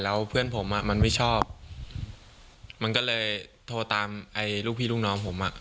แล้วเพื่อนผมอ่ะมันไม่ชอบมันก็เลยโทรตามไอ้ลูกพี่ลูกน้องผมอ่ะ